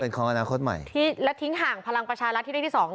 ของอนาคตใหม่ที่แล้วทิ้งห่างพลังประชารัฐที่ได้ที่สอง